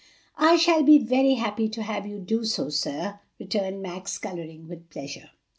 "I shall be very happy to have you do so, sir," returned Max, coloring with pleasure.